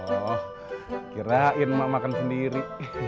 oh kirain mak makan sendiri